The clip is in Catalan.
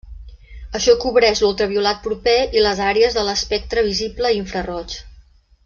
Això cobreix l'ultraviolat proper, i les àrees de l'espectre visible i infraroig.